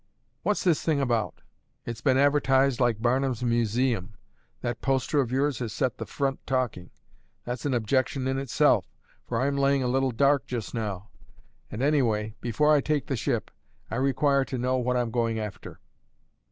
"What's this thing about? It's been advertised like Barnum's museum; that poster of yours has set the Front talking; that's an objection in itself, for I'm laying a little dark just now; and anyway, before I take the ship, I require to know what I'm going after."